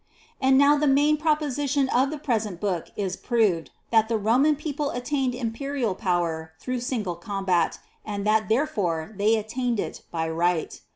7. And now the main proposition of the pre sent book is proved, that the Rom^n_ people attainedjrnpeml power through single combat, and that therefore they attained it by Right.